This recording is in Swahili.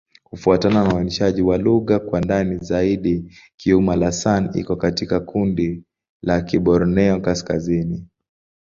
Kufuatana na uainishaji wa lugha kwa ndani zaidi, Kiuma'-Lasan iko katika kundi la Kiborneo-Kaskazini.